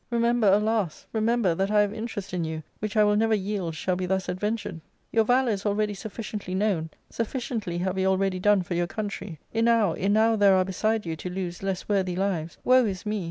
Remember, alas ! remember that I have interest in you, which I will never yield shall be thus adventured. Your valour is already sufficiently known, sufficiently have you already done for your country ; enow, enow there are beside yoii to lose less worthy lives. Woe is me